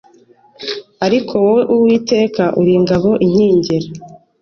Ariko wowe uwiteka uringabo inkingira